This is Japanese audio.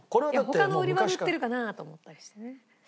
他の売り場に売ってるかなと思ったりしてね。